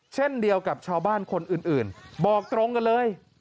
เช่นเดียวกับชาวบ้านคนอื่นบอกตรงกันเลย